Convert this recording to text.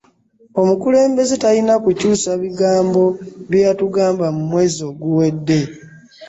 Omukulembeze talina kukyusa bigambo byeyatugamba mu mwezi oguwede.